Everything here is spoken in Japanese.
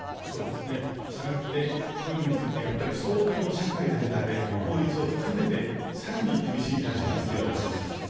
そうですね、したがってこういうのについて、相当社会全体で、法律を含めて、さらに厳しい対処が必要だと思います。